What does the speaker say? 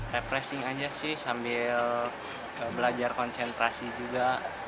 repressing aja sih sambil belajar konsentrasi juga